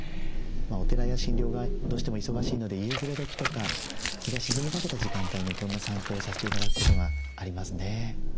お寺や診療がどうしても忙しいので夕暮れ時とか日が沈みかけた時間帯にこんな散歩をさせて頂くことがありますね。